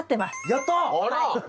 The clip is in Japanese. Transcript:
やった！